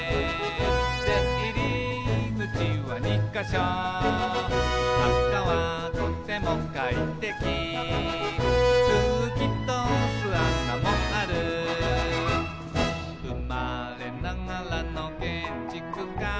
「でいりぐちは２かしょ」「なかはとてもかいてき」「空気とおすあなもある」「うまれながらのけんちくか」